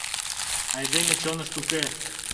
Айдеме чонышт уке.